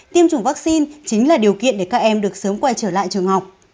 tiêm chủng vaccine chính là điều kiện để các em được sớm quay trở lại trường học